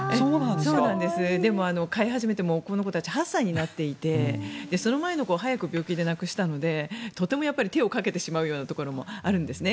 でも飼い始めて８歳になっていてその前の子を早く病気で亡くしたのでとても手をかけてしまうようなところもあるんですね。